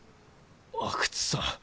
阿久津さん。